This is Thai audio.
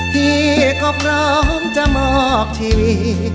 พี่ก็พร้อมจะมอบชีวิต